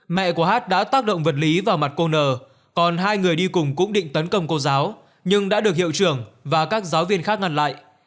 mẹ của hát đã tác động vật lý vào mặt cô nờ còn hai người đi cùng cũng định tấn công cô giáo nhưng đã được hiệu trưởng và các giáo viên khác ngăn lại